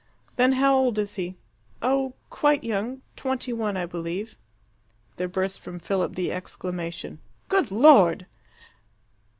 "Then how old is he?" "Oh, quite young. Twenty one, I believe." There burst from Philip the exclamation, "Good Lord!"